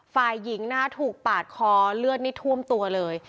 ฝ่ายหญิงนะคะถูกปาดคอเลือดนี่ท่วมตัวเลย